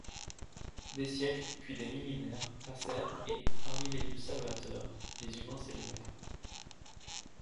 Des siècles, puis des millénaires passèrent et, parmi les dieux salvateurs, les humains s’élevèrent.